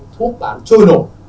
thuốc bán trôi nổi